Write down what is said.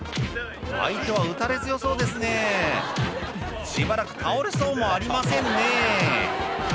相手は打たれ強そうですねぇしばらく倒れそうもありませんねぇ